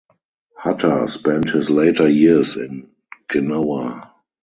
Hutter spent his later years in Genoa.